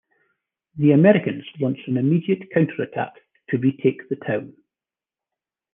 The Americans launched an immediate counterattack to retake the town.